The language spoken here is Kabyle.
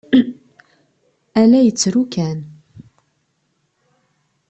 A la yettru kan.